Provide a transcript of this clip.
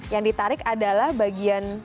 yang ditarik adalah bagian